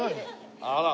あら。